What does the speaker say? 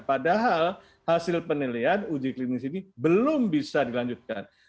padahal hasil penilaian uji klinis ini belum bisa dilanjutkan